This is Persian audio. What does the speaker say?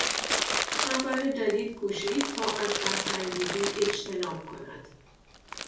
رهبر جدید کوشید تا از بحث انگیزی اجتناب کند.